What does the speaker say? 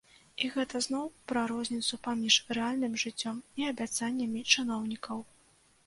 І гэта зноў пра розніцу паміж рэальным жыццём і абяцаннямі чыноўнікаў.